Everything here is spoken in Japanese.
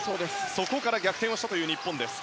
そこから逆転をしたという日本。